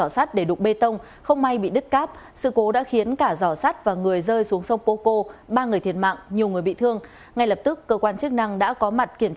xin chào và hẹn gặp lại